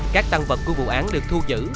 các tăng vật của vụ án được thu giữ